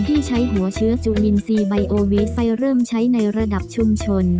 ที่ใช้หัวเชื้อจุลินทรีย์ไบโอเวสไปเริ่มใช้ในระดับชุมชน